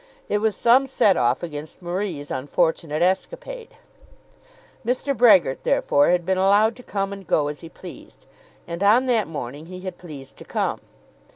It was some set off against Marie's unfortunate escapade. Mr. Brehgert, therefore, had been allowed to come and go as he pleased, and on that morning he had pleased to come.